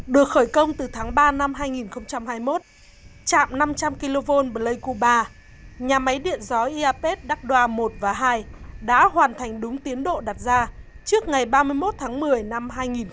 được khởi công từ tháng ba năm hai nghìn hai mươi một chạm năm trăm linh kv blake cuba nhà máy điện gió iapes dakdoa một và hai đã hoàn thành đúng tiến độ đặt ra trước ngày ba mươi một tháng một mươi năm hai nghìn hai mươi một